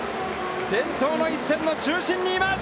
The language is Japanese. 伝統の一戦の中心にいます！